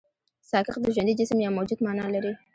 ساکښ د ژوندي جسم يا موجود مانا لري.